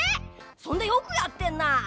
そんでよくやってんな！